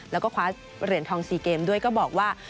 แล้วก็คว้าเหรียญทอง๔เกมด้วยก็บอกว่า